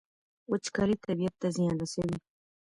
وچکالي طبیعت ته زیان رسوي.